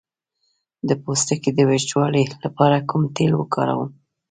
د پوستکي د وچوالي لپاره کوم تېل وکاروم؟